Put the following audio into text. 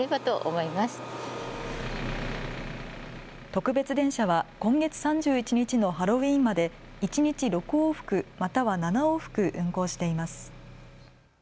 特別電車は今月３１日のハロウィーンまで一日６往復、または７往復運行しています。